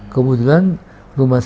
kemudian rumah saya di dekat rumah saya